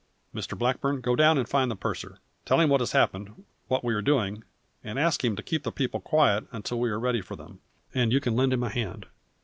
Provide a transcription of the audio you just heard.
Mr Blackburn, go down and find the purser; tell him what has happened, what we are doing, and ask him to keep the people quiet until we are ready for them, and you can lend him a hand.